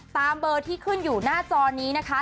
ตามเบอร์ที่ขึ้นอยู่หน้าจอนี้นะคะ